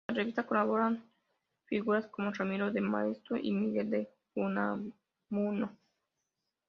En la revista colaboran figuras como Ramiro de Maeztu y Miguel de Unamuno.